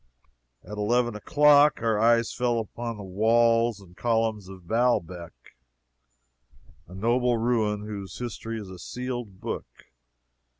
At eleven o'clock, our eyes fell upon the walls and columns of Baalbec, a noble ruin whose history is a sealed book.